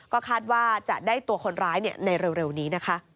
ก็คาดว่าจะได้ตัวคนร้ายในเร็วนี้นะคะ